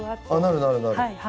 なるなるなる。